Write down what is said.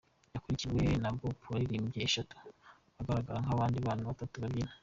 Yakurikiwe na Babo waririmbye eshatu agaragiwe n’abandi bana batatu babyina.